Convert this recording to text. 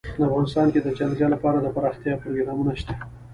افغانستان کې د جلګه لپاره دپرمختیا پروګرامونه شته.